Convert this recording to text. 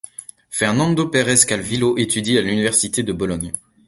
Fernando Pérez Calvillo étudie à l'université de Bologne.